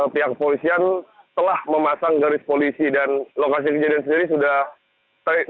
pihak polisian telah memasang garis polisi dan lokasi kejadian sendiri sudah terlihat